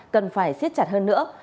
cần phải xiết chặt hơn nữa